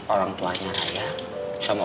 orang tuanya sama wonny pacaran